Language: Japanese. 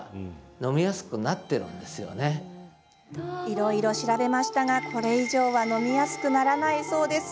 いろいろ調べましたがこれ以上は飲みやすくならないそうです。